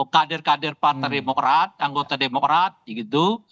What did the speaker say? kader kader partai demokrat anggota demokrat gitu